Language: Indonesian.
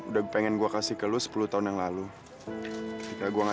sampai jumpa di video selanjutnya